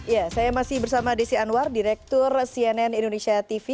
ya saya masih bersama desi anwar direktur cnn indonesia tv